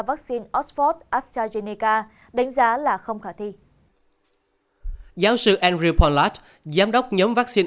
vắc xin oxford astrazeneca đánh giá là không khả thi giáo sư andrew pollard giám đốc nhóm vắc xin